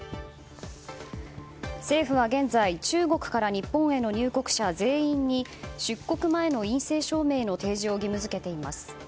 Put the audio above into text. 政府は現在、中国から日本への入国者全員に出国前の陰性証明の提示を義務付けています。